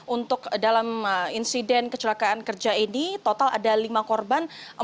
untuk dalam insiden kecelakaan kerja ini total ada lima korban